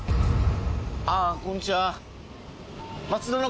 ああこんちは。